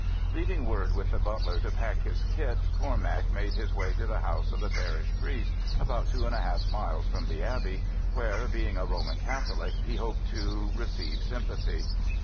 Leaving word with the butler to pack his kit, Cormac made his way to the house of the parish priest, about two and a half miles from the abbey, where, being a Roman Catholic, he hoped to receive sympathy.